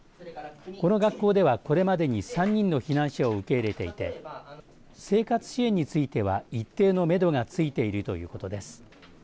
この学校ではこれまでに３人の避難者を受け入れていて生活支援については一定のめどがついているということです。